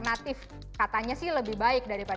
untuk mengambil waktunya